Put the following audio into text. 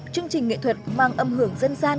chương trình nghệ thuật mang âm hưởng dân gian